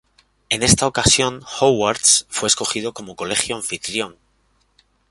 En esta ocasión, Hogwarts fue escogido como Colegio Anfitrión.